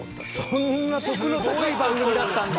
そんな徳の高い番組だったんだ。